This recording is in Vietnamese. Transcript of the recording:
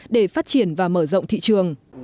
để phát triển và mở rộng thị trường